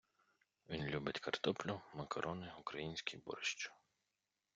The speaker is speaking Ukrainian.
Він любить картоплю, макарони, український борщ.